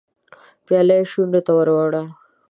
پياله يې شونډو ته ور وړه.